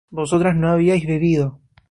vosotras no habíais bebido